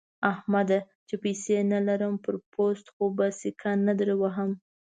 احمده! چې پيسې نه لرم؛ پر پوست خو به سکه نه دروهم.